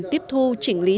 tiếp thu chỉnh lý dự án